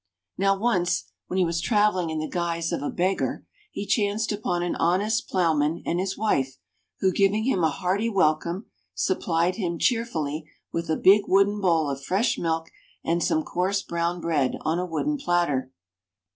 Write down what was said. Now once, when he was travelling in the guise of a beggar, he chanced upon an honest ploughman and his wife who, giving him a hearty welcome, supplied him, cheerfully, with a big wooden bowl of fresh milk and some coarse brown bread on a wooden platter.